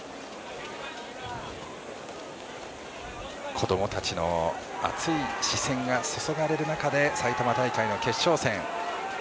子どもたちの熱い視線が注がれる中で埼玉大会の決勝戦。